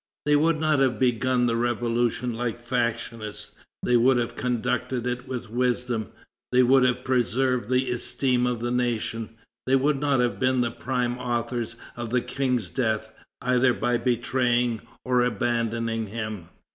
They would not have begun the Revolution like factionists, they would have conducted it with wisdom, they would have preserved the esteem of the nation, they would not have been the prime authors of the King's death, either by betraying or abandoning him."